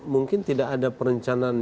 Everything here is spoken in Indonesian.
mungkin tidak ada perencanaan